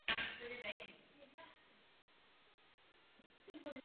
V padesátých letech patřil k legendární maďarské reprezentaci známé jako Zlatá jedenáctka.